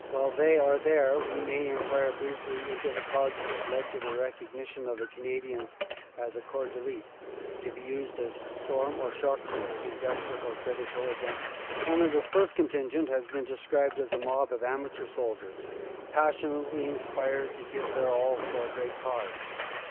While they are there we may enquire briefly into the causes that led to the recognition of the Canadians as a corps d elile, to be used as storm or shock troops in desperate or critical adventures. Canada s first contingent has been described as a mob of amateur soldiers passionately inspired to give their all for a great cause.